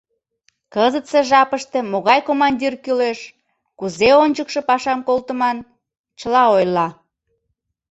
Кызытсе жапыште могай командир кӱлеш, кузе ончыкшо пашам колтыман, чыла ойла.